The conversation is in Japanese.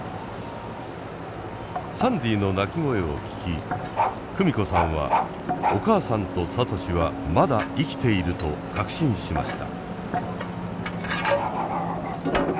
サンディの鳴き声を聞き久美子さんはお母さんと聡はまだ生きていると確信しました。